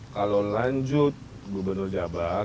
kalau lanjut gubernur jabar